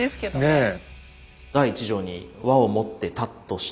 ねえ。